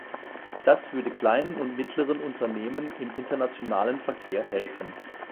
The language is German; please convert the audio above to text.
Das würde kleinen und mittleren Unternehmen im internationalen Verkehr helfen.